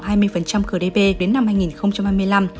khởi đế bê đến năm hai nghìn hai mươi năm